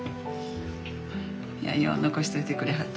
よう残しといてくれはった。